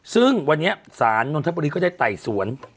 ซึ่งวันนี้ศาลนนทบุรีก็ได้ไต่สวน